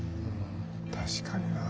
確かになぁ。